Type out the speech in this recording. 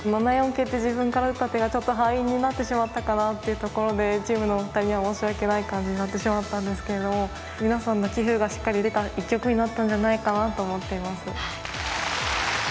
桂って自分から打った手が敗因になってしまったかなっていうところでチームの２人には申し訳ない感じになってしまったんですけれども皆さんの棋風がしっかり出た一局になったんじゃないかなと思っています。